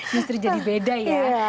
justru jadi beda ya